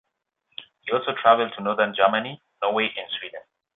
He also traveled to northern Germany, Norway and Sweden.